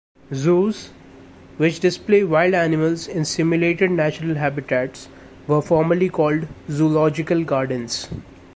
Zoos, which display wild animals in simulated natural habitats, were formerly called "zoological gardens".